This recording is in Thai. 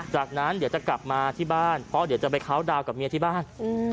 จากนั้นเดี๋ยวจะกลับมาที่บ้านเพราะเดี๋ยวจะไปเคาน์ดาวนกับเมียที่บ้าน